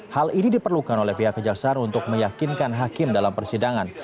hal ini diperlukan oleh pihak kejaksaan untuk meyakinkan hakim dalam persidangan